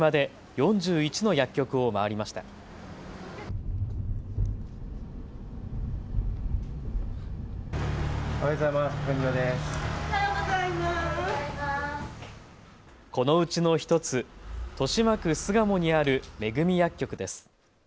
このうちの１つ、豊島区巣鴨にあるめぐみ薬局です。